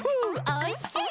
おいしい！